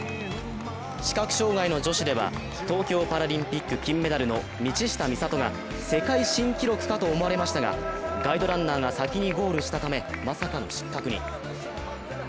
視覚障害の女子では東京パラリンピック金メダルの道下美里が世界新記録かと思われましたがガイドランナーが先にゴールしたため、まさかの失格に。